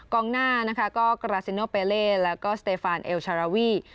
กองหน้านะคะก็กราซิโนเปเล่แล้วก็สเตฟานเอลชาราวี